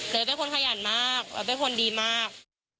เนิร์ดเป็นคนขยันมากและเป็นคนดีมาก